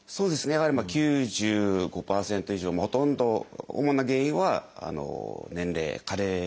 やはり９５％以上ほとんど主な原因は年齢加齢ですね。